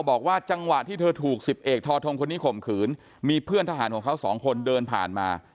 บอกว่าจังหวะที่เธอถูกสิบเอกทอทงคนนี้ข่มขืนมีเพื่อนทหารของเขาสองคนเดินผ่านมา